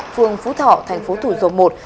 phương phú thỏ tp thủ dồn một